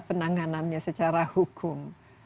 penanganannya secara hukum